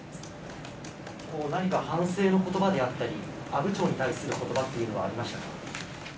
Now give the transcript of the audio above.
何か反省のことばであったり、阿武町に対することばというのはありましたか。